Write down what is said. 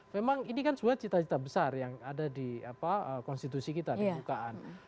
memang ini kan sebuah cita cita besar yang ada di konstitusi kita di bukaan